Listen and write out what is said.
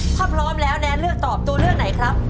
ถ้าพร้อมแล้วแนนเลือกตอบตัวเลือกไหนครับ